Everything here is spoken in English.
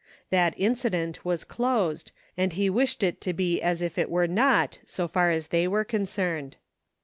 That incident was closed and he wished it to be as if it were not so far as they were concerned.